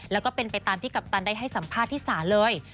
แล้วก็เป็นไปตามที่กัปตันได้ให้สัมภาษณ์ที่ศาลเลย